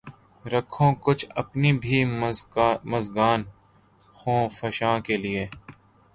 رکھوں کچھ اپنی بھی مژگان خوں فشاں کے لیے